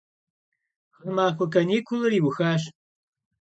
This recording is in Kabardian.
Ğemaxue kanikulır yiuxaş.